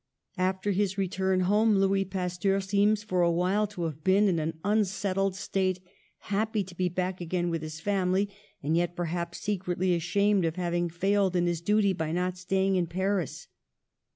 After his return home Louis Pasteur seems for a v/hile to have been in an unsettled state, happy to be back again with his family, and yet perhaps secretly ashamed of having failed in his duty by not staying in Paris.